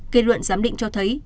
kết luận giám định cho thấy